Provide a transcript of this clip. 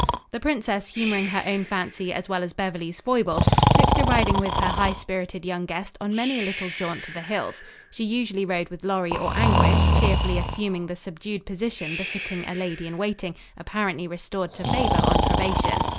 The princess, humoring her own fancy as well as Beverly's foibles, took to riding with her high spirited young guest on many a little jaunt to the hills. She usually rode with Lorry or Anguish, cheerfully assuming the subdued position befitting a lady in waiting apparently restored to favor on probation.